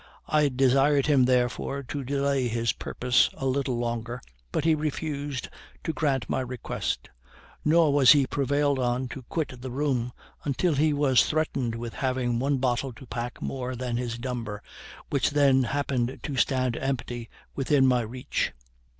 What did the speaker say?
I desired him therefore to delay his purpose a little longer, but he refused to grant my request; nor was he prevailed on to quit the room till he was threatened with having one bottle to pack more than his number, which then happened to stand empty within my reach.